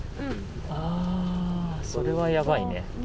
ああー、それはやばいね。